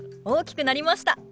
大きくなりました！